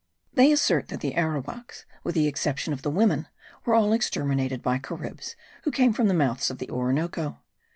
They assert that the Arowaks, with the exception of the women, were all exterminated by Caribs, who came from the mouths of the Orinoco.